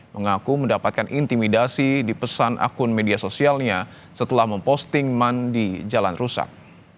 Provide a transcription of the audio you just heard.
mengaku mendapatkan intimidasi di pesan akun media sosialnya setelah memposting mandi jalan rusak